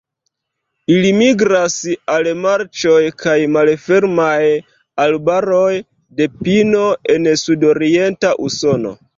Ili migras al marĉoj kaj malfermaj arbaroj de pino en sudorienta Usono.